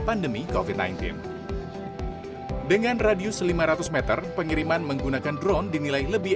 pandemi kofit sembilan belas dengan radius lima ratus m pengiriman menggunakan drone dinilai lebih